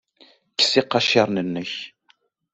Kkes iqaciren-nnek.